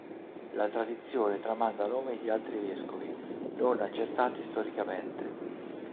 La tradizione tramanda nomi di altri vescovi, non accertati storicamente.